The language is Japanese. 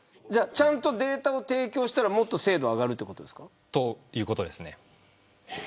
ちゃんとデータを提供したらもっと精度が上がるんですか。ということですね。